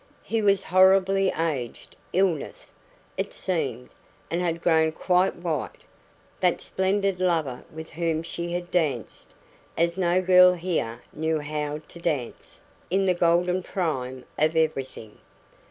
He was horribly aged illness, it seemed and had grown quite white that splendid lover with whom she had danced, as no girl here knew how to dance, in the golden prime of everything!